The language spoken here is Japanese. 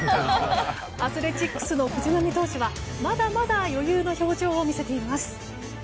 アスレチックスの藤浪選手は、まだまだ余裕の表情を見せています。